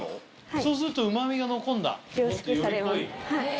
そうするとうま味が残るんだ。え！